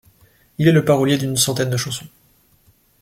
Il est le parolier d'une centaine de chansons.